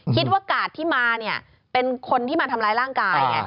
กาดที่มาเนี่ยเป็นคนที่มาทำร้ายร่างกายไง